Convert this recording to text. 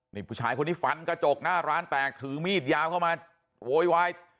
นี่ผู้ชายคนนี้ฟันกระจกหน้าร้านแตกถือมีดยาวเข้ามาโวยวาย